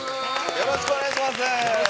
よろしくお願いします！